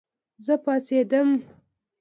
زه پاڅېدم